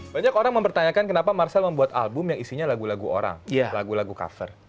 banyak orang mempertanyakan kenapa marcel membuat album yang isinya lagu lagu orang lagu lagu cover